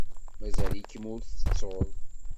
Mazal-ikem ur tettuḍ.